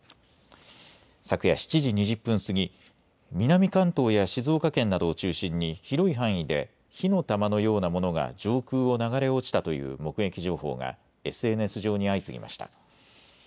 昨夜７時２０分過ぎ、南関東や静岡県などを中心に広い範囲で火の玉のようなものが上空を流れ落ちたという目撃情報がＳＮＳ上に相次ぎました。